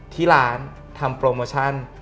ที่ร้านทำโปรโมชั่น